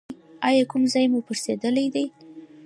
ایا کوم ځای مو پړسیدلی دی؟